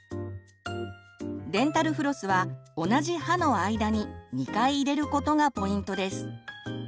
デンタルフロスは同じ歯の間に２回入れることがポイントです。